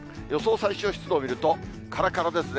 最小湿度を見ると、からからですね。